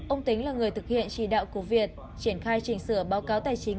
ông tính là người thực hiện chỉ đạo của việt triển khai chỉnh sửa báo cáo tài chính